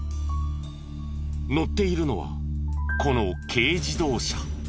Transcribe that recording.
乗っているのはこの軽自動車。